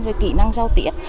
rồi kỹ năng giao tiếp